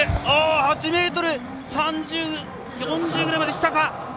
８ｍ４０ぐらいまできたか。